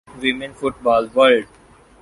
women football world